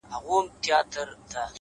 o اوس هم زما د وجود ټوله پرهرونه وايي ـ